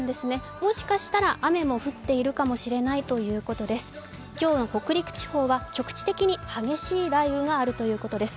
もしかしたら雨も降っているかもしれないということです。